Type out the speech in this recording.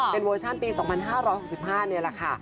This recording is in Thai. เป็นเวอร์ชั่นปี๒๕๖๕แล้วค่ะ